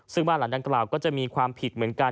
ซึ่งบ้านหลังดังกล่าวก็จะมีความผิดเหมือนกัน